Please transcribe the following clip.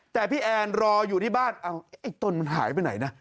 แต่พี่แอนรออยู่ที่บ้านไอ้ตนมันหายไปไหนนะ